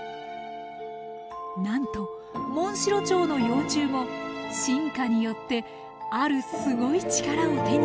なんとモンシロチョウの幼虫も進化によってあるすごい力を手に入れていました。